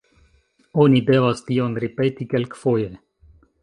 Oni devas tion ripeti kelkfoje.